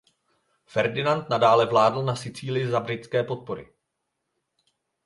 Ferdinand nadále vládl na Sicílii za britské podpory.